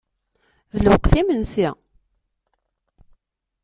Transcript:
D lweqt imensi.